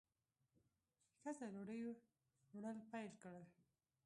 ښځه ډوډۍ وړل پیل کړل.